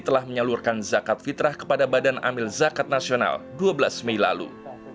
telah menyalurkan zakat fitrah kepada badan amil zakat nasional dua belas mei lalu